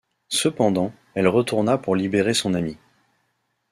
Cependant, elle retourna pour libérer son amie.